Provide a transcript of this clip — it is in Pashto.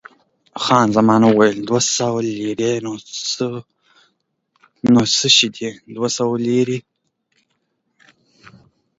خان زمان وویل، دوه سوه لیرې نو څه شی دي؟